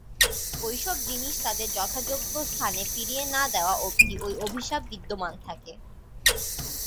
ঐসব জিনিস তাদের যথাযোগ্য স্থানে ফিরিয়ে না দেওয়া অব্দি ঐ অভিশাপ বিদ্যমান থাকে।